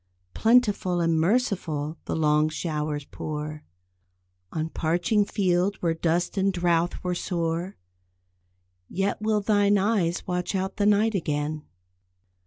Plentiful and merciful the long showers pour On parching field where dust and drouth were sore, Yet, will thine eyes watch out the night again?